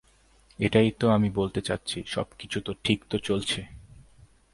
এটাইতো আমি বলতে চাচ্ছি, সবকিছুতো ঠিকতো চলছে।